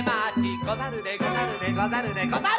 「ござるでござるでござるでござる」